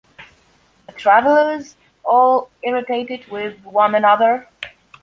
The travelers, all irritated with one another...